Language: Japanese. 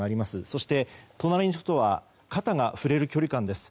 そして、隣の人とは肩が触れる距離感です。